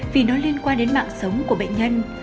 vì nó liên quan đến mạng sống của bệnh nhân